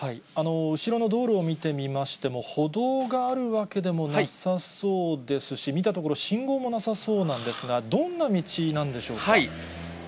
後ろの道路を見てみましても、歩道があるわけでもなさそうですし、見たところ、信号もなさそうなんですが、どんな道なんでしょうか。